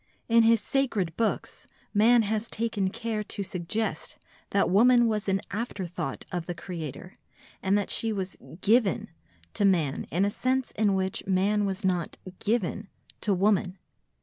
In his sacred books man has taken care to suggest that woman was an afterthought of the Creator, and that she was "given" to man in a sense in which man was not "given" to woman.